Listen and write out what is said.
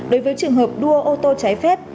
đối với trường hợp đua ô tô trái phép